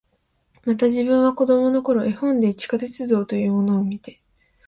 また、自分は子供の頃、絵本で地下鉄道というものを見て、